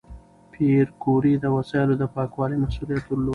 پېیر کوري د وسایلو د پاکوالي مسؤلیت درلود.